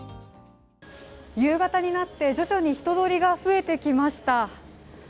夕方になって徐々に人通りが増えてきました。